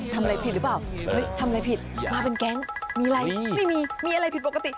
ทำอะไรผิดหรือเปล่าเฮ้ยทำอะไรผิดมาเป็นแก๊งมีอะไรไม่มีมีอะไรผิดปกติ